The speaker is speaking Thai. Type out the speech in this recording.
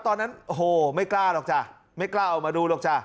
ตอนนั้นโอ้โหไม่กล้าหรอกจ้ะไม่กล้าออกมาดูหรอกจ้ะ